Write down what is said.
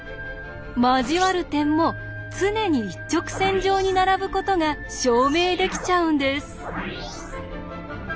交わる点も常に一直線上に並ぶことが証明できちゃうんです。